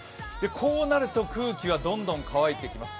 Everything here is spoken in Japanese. こうなると空気はどんどん乾いてきます。